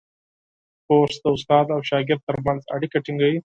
کورس د استاد او شاګرد ترمنځ اړیکه ټینګوي.